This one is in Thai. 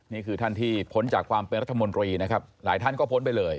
นี่คือท่านที่ผลจากความเป็นรัฐมนตรีหลายท่านก็ผลไปเลย